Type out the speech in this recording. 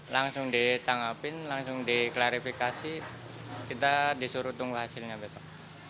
langsung ditanggapin langsung diklarifikasi kita disuruh tunggu hasilnya besok